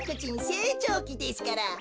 せいちょうきですから。